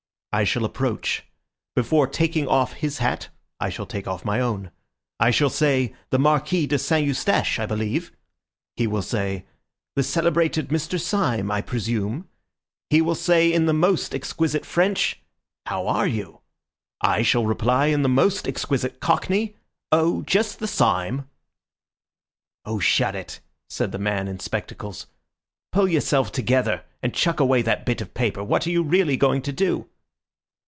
"I shall approach. Before taking off his hat, I shall take off my own. I shall say, 'The Marquis de Saint Eustache, I believe.' He will say, 'The celebrated Mr. Syme, I presume.' He will say in the most exquisite French, 'How are you?' I shall reply in the most exquisite Cockney, 'Oh, just the Syme—'" "Oh, shut it," said the man in spectacles. "Pull yourself together, and chuck away that bit of paper. What are you really going to do?"